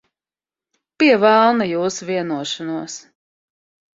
Pie velna jūsu vienošanos.